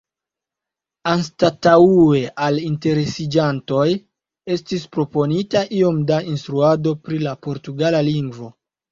Anstataŭe al interesiĝantoj estis proponita iom da instruado pri la portugala lingvo.